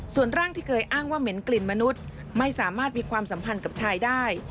ส่วนร่างที่เคยอ้างว่าเหม็นกลิ่นมนุษย์ไม่สามารถมีความสัมพันธ์กับชายได้